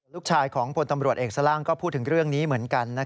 ลูกชายของพลตำรวจเอกสล่างก็พูดถึงเรื่องนี้เหมือนกัน